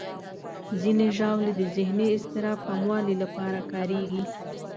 ځینې ژاولې د ذهني اضطراب کمولو لپاره کارېږي.